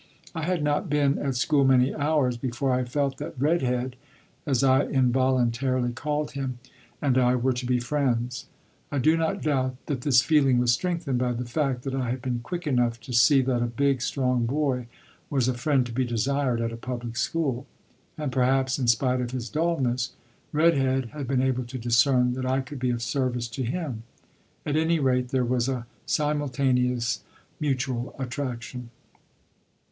I had not been at school many hours before I felt that "Red Head" as I involuntarily called him and I were to be friends. I do not doubt that this feeling was strengthened by the fact that I had been quick enough to see that a big, strong boy was a friend to be desired at a public school; and, perhaps, in spite of his dullness, "Red Head" had been able to discern that I could be of service to him. At any rate there was a simultaneous mutual attraction.